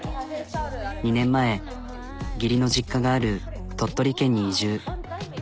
２年前義理の実家がある鳥取県に移住。